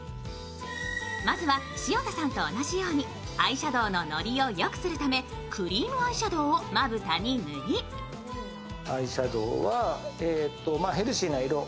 まずは潮田さんと同じように、アイシャドーののりをよくするためクリームアイシャドウをまぶたに塗りアイシャドウはヘルシーな色。